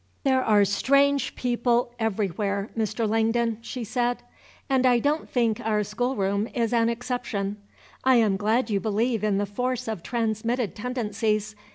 "There are strange people everywhere, Mr. Langdon," she said, "and I don't think our schoolroom is an exception. I am glad you believe in the force of transmitted tendencies.